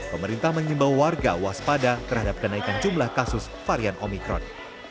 pemerintah mengimbau warga waspada terhadap kenaikan jumlah kasus varian omikron